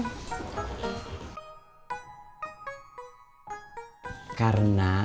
oh mendadak sih kang